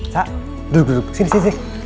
sa duduk duduk sini sini